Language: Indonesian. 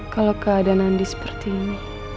kalau keadaan andi seperti ini